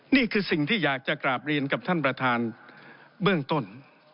นี่คือสิ่งที่อยากจะกราบเรียนกับท่านประธานเบื้องต้น